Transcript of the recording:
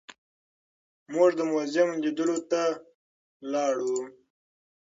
موږ د موزیم لیدلو ته لاړو.